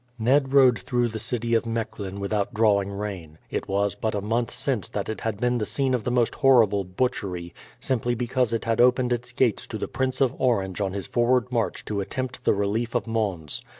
Ned rode through the city of Mechlin without drawing rein. It was but a month since that it had been the scene of the most horrible butchery, simply because it had opened its gates to the Prince of Orange on his forward march to attempt the relief of Mons.